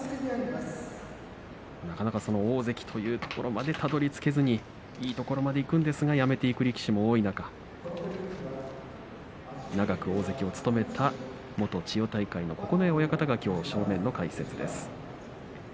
なかなか大関というところまでたどりつけずにいいところまでいくんですがやめていく力士も多い中長く大関を務めた元千代大海の九重親方がきょう正面の解説です。